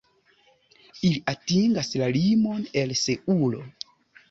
Ili atingas la limon el Seulo.